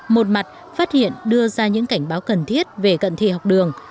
một mặt phát hiện đưa ra những cảnh báo cần thiết về cận thị học đường